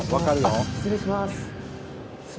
失礼します。